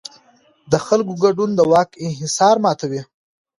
د خلکو ګډون د واک انحصار ماتوي